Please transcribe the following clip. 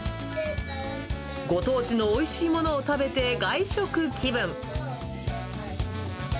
ご当地のおいしいものを食べて外食気分。